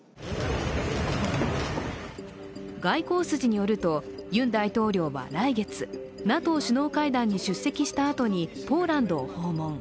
外交筋によると、ユン大統領は来月、ＮＡＴＯ首脳会談に出席したあとにポーランドを訪問。